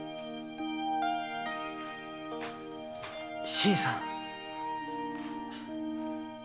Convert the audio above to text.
新さん。